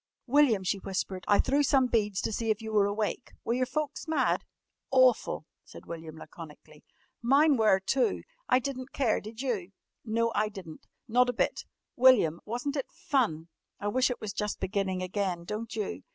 "William," she whispered, "I threw some beads to see if you were awake. Were your folks mad?" "Awful," said William laconically. "Mine were too. I di'n't care, did you?" "No, I di'n't. Not a bit!" "William, wasn't it fun? I wish it was just beginning again, don't you?"